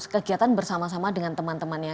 kegiatan bersama sama dengan teman temannya